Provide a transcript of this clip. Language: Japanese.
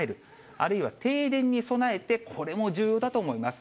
あるいは停電に備えて、これも重要だと思います。